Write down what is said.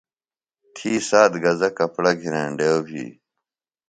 تھی سات گزہ کپڑہ گھِنینڈیوۡ بھی۔